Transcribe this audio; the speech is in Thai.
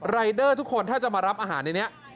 เดอร์ทุกคนถ้าจะมารับอาหารในนี้